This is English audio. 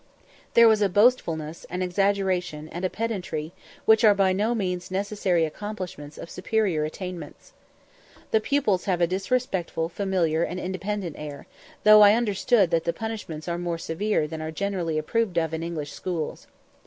There was a boastfulness, an exaggeration, and a pedantry, which are by no means necessary accompaniments of superior attainments. The pupils have a disrespectful, familiar, and independent air, though I understood that the punishments are more severe than are generally approved of in English schools.